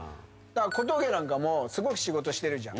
小峠なんかもすごく仕事してるじゃん。